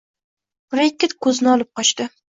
Brekket ko`zini olib qochdi